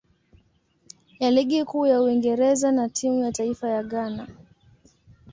ya Ligi Kuu ya Uingereza na timu ya taifa ya Ghana.